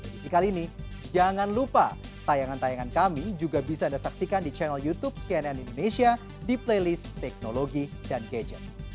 jadi di kali ini jangan lupa tayangan tayangan kami juga bisa anda saksikan di channel youtube cnn indonesia di playlist teknologi dan gadget